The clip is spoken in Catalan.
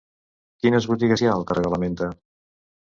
Quines botigues hi ha al carrer de la Menta?